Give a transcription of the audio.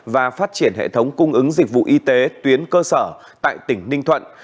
và phát triển hệ thống cung ứng dịch vụ y tế tuyến cơ sở tại tỉnh ninh thuận